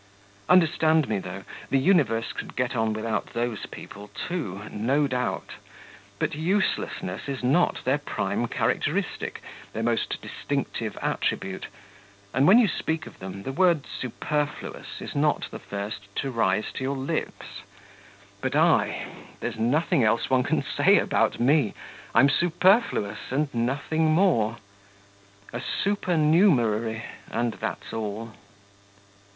Understand me, though: the universe could get on without those people too... no doubt; but uselessness is not their prime characteristic, their most distinctive attribute, and when you speak of them, the word 'superfluous' is not the first to rise to your lips. But I ... there's nothing else one can say about me; I'm superfluous and nothing more. A supernumerary, and that's all.